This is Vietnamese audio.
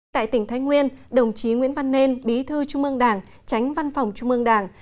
tại tỉnh thái nguyên đồng chí nguyễn văn nên bí thư trung mương đảng tránh văn phòng trung mương đảng